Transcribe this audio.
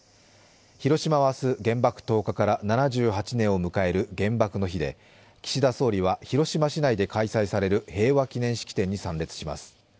広島は明日、原爆投下から７８年を迎える原爆の日で岸田総理は広島市内で開催される平和記念式典に参列します。